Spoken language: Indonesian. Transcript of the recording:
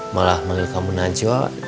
malah manggil kamu najwa